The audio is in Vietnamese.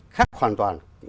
khác hoàn toàn